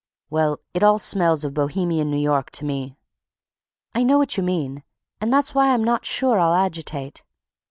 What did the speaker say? "Well, it all smells of Bohemian New York to me." "I know what you mean, and that's why I'm not sure I'll agitate."